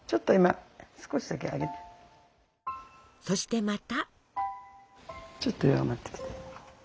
そしてまた。